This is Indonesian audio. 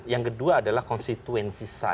yang kedua adalah konstituensi saya